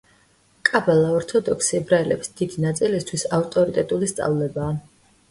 კაბალა ორთოდოქსი ებრაელების დიდი ნაწილისთვის ავტორიტეტული სწავლებაა.